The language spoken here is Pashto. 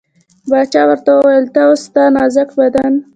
باچا ورته وویل ته او ستا نازک بدن.